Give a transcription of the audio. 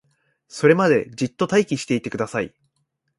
それまでじっと待機していてください